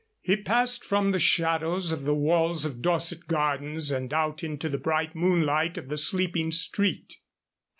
He passed from the shadows of the walls of Dorset Gardens and out into the bright moonlight of the sleeping street.